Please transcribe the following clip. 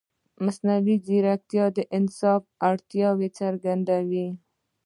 مصنوعي ځیرکتیا د انصاف اړتیا څرګندوي.